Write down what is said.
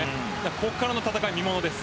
ここからの戦い、見ものです。